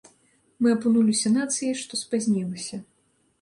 Мы апынуліся нацыяй, што спазнілася.